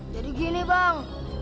jadi gini bang